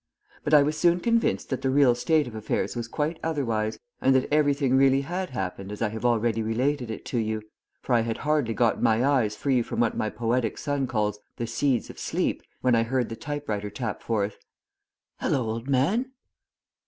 But I was soon convinced that the real state of affairs was quite otherwise, and that everything really had happened as I have already related it to you, for I had hardly gotten my eyes free from what my poetic son calls "the seeds of sleep" when I heard the type writer tap forth: "Hello, old man!"